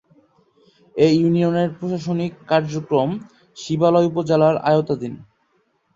এ ইউনিয়নের প্রশাসনিক কার্যক্রম শিবালয় উপজেলার আওতাধীন